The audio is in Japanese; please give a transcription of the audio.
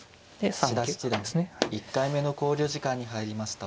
千田七段１回目の考慮時間に入りました。